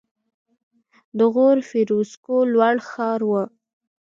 د غور فیروزکوه لوړ ښار و